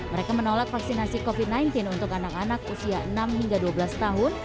mereka menolak vaksinasi covid sembilan belas untuk anak anak usia enam hingga dua belas tahun